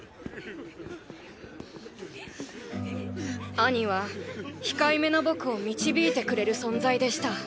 兄は控えめな僕を導いてくれる存在でした。